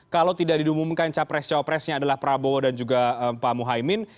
kalau tidak diumumkan capres capresnya adalah prabowo dan juga pak muhaymin